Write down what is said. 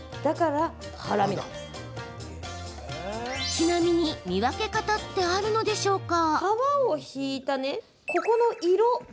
ちなみに見分け方ってあるのでしょうか？